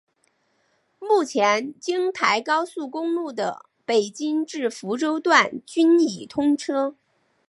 目前京台高速公路的北京至福州段均已通车。